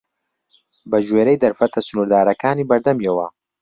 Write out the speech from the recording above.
بە گوێرەی دەرفەتە سنووردارەکانی بەردەمیەوە